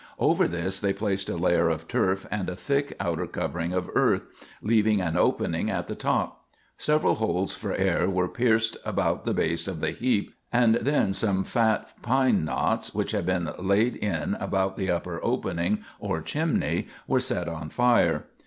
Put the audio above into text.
Over this they placed a layer of turf and a thick outer covering of earth, leaving an opening at the top. Several holes for air were pierced about the base of the heap, and then some fat pine knots which had been laid in about the upper opening, or chimney, were set on fire.